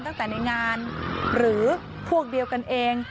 ตั้งแต่ในงานหรือพวกเดียวกันเอง